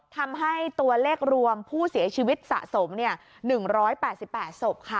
ทำให้ตัวเลขรวมผู้เสียชีวิตสะสม๑๘๘ศพค่ะ